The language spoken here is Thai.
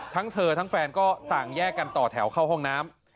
ทั้งเธอทั้งแฟนก็ต่างแยกกันต่อแถวเข้าห้องน้ำ